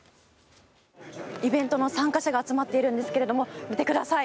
イベントの参加者が集まっているんですが見てください